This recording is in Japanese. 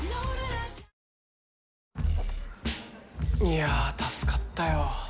いや助かったよ